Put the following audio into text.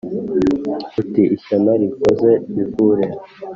uti: ishyano rinkoze ivure.